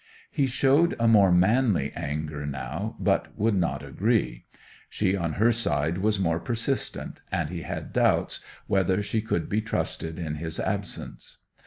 He showed a more manly anger now, but would not agree. She on her side was more persistent, and he had doubts whether she could be trusted in his absence.